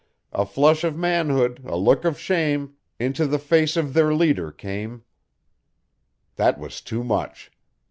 A flush of manhood, a look of shame, into the face of their leader came...." That was too much!